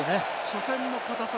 初戦の硬さ